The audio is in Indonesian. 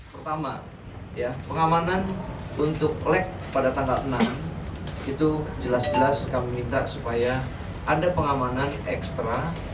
pertama pengamanan untuk leg pada tanggal enam itu jelas jelas kami minta supaya ada pengamanan ekstra